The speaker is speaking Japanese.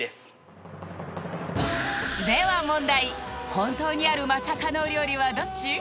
本当にあるマサかの料理はどっち？